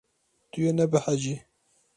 Tu yê nebehecî.